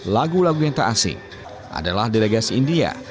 lagu lagu yang tak asing adalah delegasi india